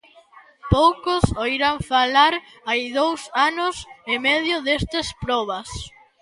Poucos oíran falar hai dous anos e medio destas probas.